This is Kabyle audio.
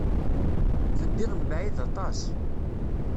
Teddiḍ mebɛid aṭas.